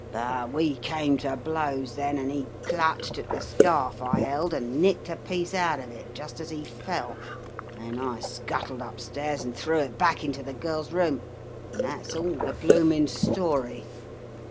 But we came to blows then and he clutched at the scarf I held and nicked a piece out of it, just as he fell, then I scuttled upstairs and threw it back into the girl's room — and that's all the blooming story."